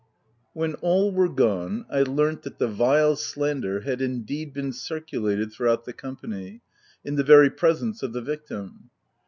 When all were gone, I learnt that the vile slander had indeed been circulated throughout the company, in the very presence of the vic tim.